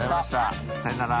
さようなら。